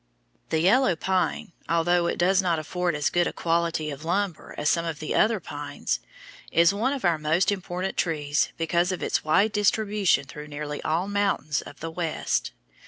The yellow pine, although it does not afford as good a quality of lumber as some of the other pines, is one of our most important trees because of its wide distribution through nearly all mountains of the West.